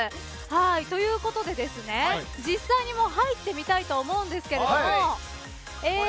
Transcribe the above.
ということで実際に入ってみたいと思うんですけども。